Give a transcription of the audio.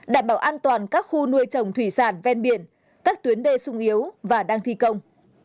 đảm bảo an toàn các khu nuôi trồng thủy sản ven biển các tuyến đê sung yếu và đang thi công